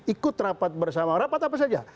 ikut rapat bersama